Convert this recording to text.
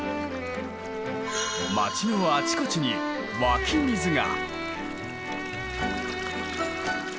町のあちこちに湧き水が。